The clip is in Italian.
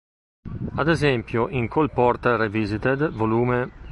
Ad esempio, in "Cole Porter Revisited, Vol.